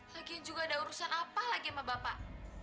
lagi juga ada urusan apa lagi sama bapak